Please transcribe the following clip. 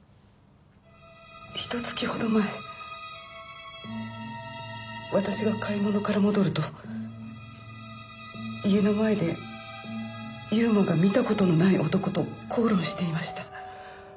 ひと月ほど前私が買い物から戻ると家の前で悠馬が見た事のない男と口論していました。